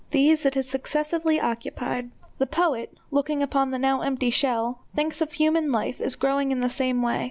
These it has successively occupied. The poet, looking upon the now empty shell, thinks of human life as growing in the same way.